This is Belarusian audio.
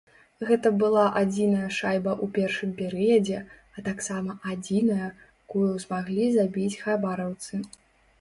Гэта была адзіная шайба ў першым перыядзе, а таксама адзіная, кую змаглі забіць хабараўцы.